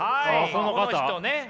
この人ね。